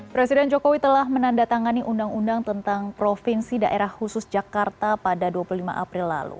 presiden jokowi telah menandatangani undang undang tentang provinsi daerah khusus jakarta pada dua puluh lima april lalu